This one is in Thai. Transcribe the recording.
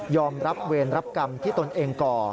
อมรับเวรรับกรรมที่ตนเองก่อ